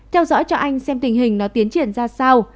theo dõi cho anh xem tình hình nó tiến triển ra sao